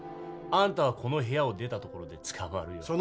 あんたはこの部屋を出たところで捕まるよ。